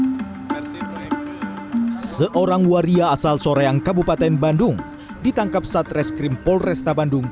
hai bersih seorang waria asal soreang kabupaten bandung ditangkap satreskrim polresta bandung